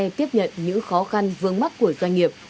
tiếp nhận những khó khăn vương mắc của doanh nghiệp